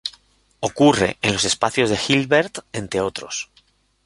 Ocurre en los espacios de Hilbert, entre otros.